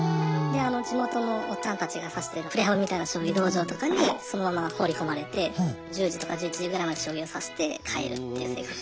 で地元のおっちゃんたちが指してるプレハブみたいな将棋道場とかにそのまま放り込まれて１０時とか１１時ぐらいまで将棋を指して帰るっていう生活。